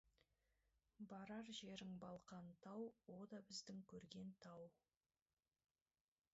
Барар жерің Балқан тау, о да біздің көрген тау.